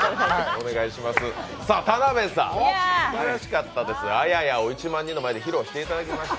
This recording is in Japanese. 田辺さん、すばらしかったです、あややを１万人の前で披露していただきました。